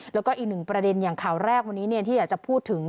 แล้วก็อีกหนึ่งประเด็นอย่างข่าวแรกวันนี้ที่อยากจะพูดถึง